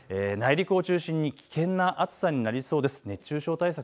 内陸を中心に危険な暑さになりそうです。